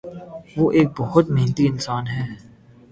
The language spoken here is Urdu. وہ ایک بہت محنتی انسان ہے۔